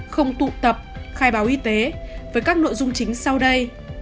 không tụ tập khai báo y tế với các nội dung chính sau đây